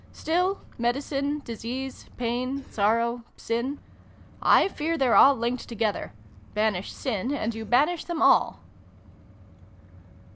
Still, medicine, disease, pain, sorrow, sin 1 fear they're all linked together. Banish sin, and you banish them all